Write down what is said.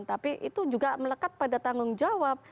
tapi itu juga melekat pada tanggung jawab